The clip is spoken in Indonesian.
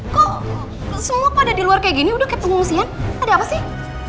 kok semua kok ada di luar kayak gini udah kayak pengumusian ada apa sih